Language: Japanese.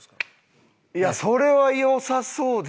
いやそれは良さそうですね！